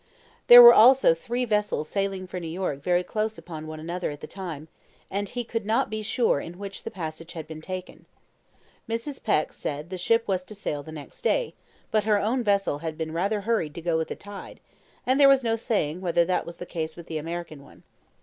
There were also three vessels sailing for New York very close upon one another at the time, and he could not be sure in which the passage had been taken. Mrs. Peck said the ship was to sail the next day; but her own vessel had been rather hurried to go with the tide, and there was no saying whether that was the case with the American one.